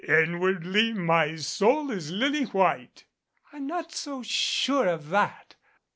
"Inwardly my soul is lily white." "I'm not so sure of that.